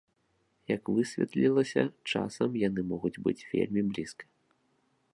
Як высветлілася, часам яны могуць быць вельмі блізка.